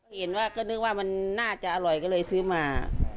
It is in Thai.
เห็นว่าก็นึกว่ามันน่าจะอร่อยก็เลยซื้อมา